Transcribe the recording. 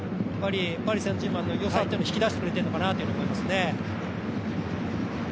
パリ・サン＝ジェルマンの良さを引き出してくれてるのかなと思いますね。